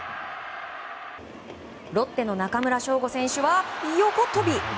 ロッテの中村奨吾選手は横っ飛び！